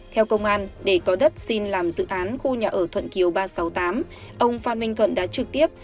theo công an để có đất xin làm dự án khu nhà ở thuận kiều ba trăm sáu mươi tám ông phan minh thuận đã trực tiếp